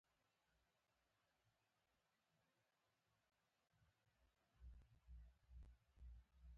هغه ښوونکې ده